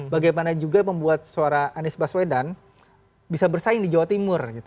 bagaimana juga membuat suara anies baswedan bisa bersaing dijawa timur